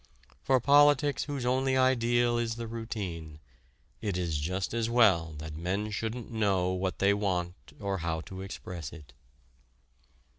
For politics whose only ideal is the routine, it is just as well that men shouldn't know what they want or how to express it.